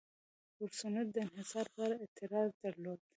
پر صنعت د انحصار په اړه اعتراض درلود.